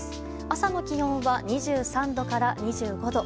朝の気温は２３度から２５度。